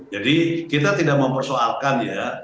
jadi kita tidak mempersoalkan ya